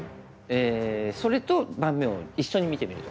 それと盤面を一緒に見てみると。